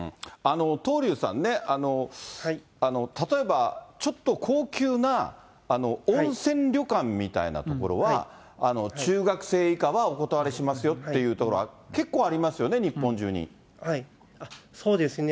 東龍さんね、例えばちょっと高級な温泉旅館みたいなところは、中学生以下はお断りしますよっていう所は、結構ありますよね、日そうですね。